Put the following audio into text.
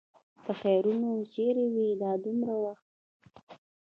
پخيرونو! چېرې وې دا دومره وخت؟